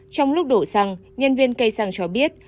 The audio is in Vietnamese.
trong lúc đổ xăng nhân viên cây xăng cho biết